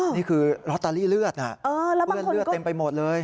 นี่คือลอตเตอรี่เลือดน่ะเต็มไปหมดเลย